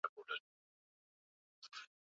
Kisha humwaga maji yake bahari ya Mediteranea